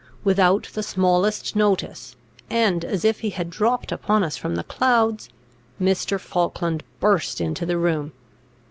Without the smallest notice, and as if he had dropped upon us from the clouds, Mr. Falkland burst into the room.